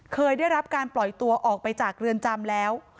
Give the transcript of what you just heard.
เคยได้รับการปล่อยตัวออกไปจากเรือนจำแล้ว